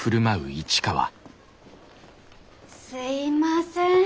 すいません